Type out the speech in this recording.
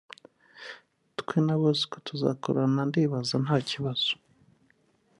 twe na Bosco tuzakorana ndibaza ntakibazo